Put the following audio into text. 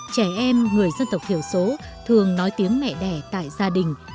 trẻ em người dân tộc thiểu số thường nói tiếng mẹ đẻ tại gia đình